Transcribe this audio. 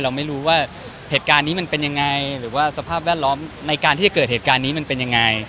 เราไม่รู้ว่าเหตุการณ์นี้มันเป็นยังไงหรือว่าสภาพแวดล้อมในการที่จะเกิดเหตุการณ์นี้มันเป็นยังไง